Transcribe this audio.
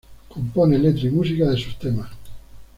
Compone letra y música de sus temas.